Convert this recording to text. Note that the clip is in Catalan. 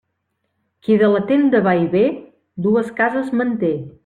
Qui de la tenda va i ve, dues cases manté.